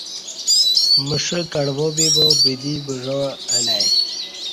مݜہ کڑوا بِبا بدی بژاع الہ ای